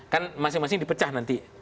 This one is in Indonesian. kan masing masing dipecah nanti